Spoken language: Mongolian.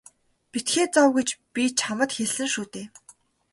Битгий зов гэж би чамд хэлсэн шүү дээ.